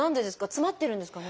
詰まってるんですかね？